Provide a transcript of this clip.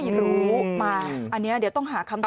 รู้มาอันนี้เดี๋ยวต้องหาคำตอบ